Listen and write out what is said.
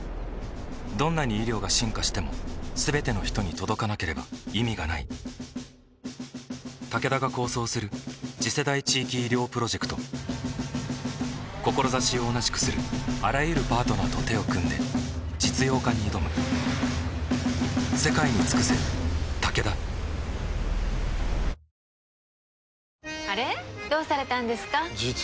どんなに医療が進化しても全ての人に届かなければ意味がないタケダが構想する次世代地域医療プロジェクト志を同じくするあらゆるパートナーと手を組んで実用化に挑む美しさも